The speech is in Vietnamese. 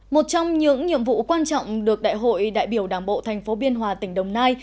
một trong những nhiệm vụ quan trọng được đại hội đại biểu đảng bộ thành phố biên hòa tỉnh đồng nai